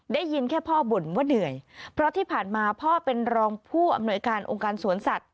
ได้ยินแค่พ่อบ่นว่าเหนื่อยเพราะที่ผ่านมาพ่อเป็นรองผู้อำนวยการองค์การสวนสัตว